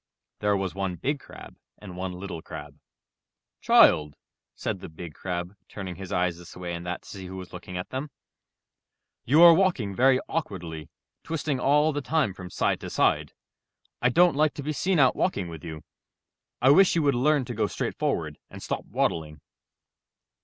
There was one Big Crab and one Little Crab. ^'Child, said the Big Crab, turning his eyes this way and that to see who was looking at them, ''you are walking very awkwardly, twisting all the time from side to side. I don't like to be seen out walking with you. I wish you would learn to go straight forward and stop waddling."